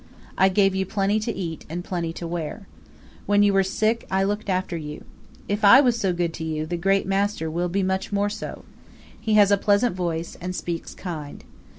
I gave you plenty to eat and plenty to wear. When you were sick I looked after you. If I was so good to you, the 'Great Master' will be much more so. He has a pleasant voice, and speaks kind.